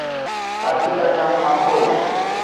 আর তার পিতার নাম মাসউদ।